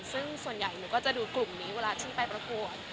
ซึ่งส่วนใหญ่หนูก็จะดูกลุ่มนี้เวลาที่ไปประกวด